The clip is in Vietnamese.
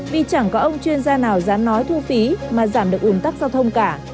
vì chẳng có ông chuyên gia nào dám nói thu phí mà giảm được ủn tắc giao thông cả